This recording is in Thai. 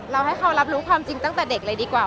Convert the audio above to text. ให้เขารับรู้ความจริงตั้งแต่เด็กเลยดีกว่า